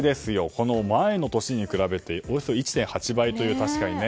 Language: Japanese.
この前の年に比べておよそ１．８倍というね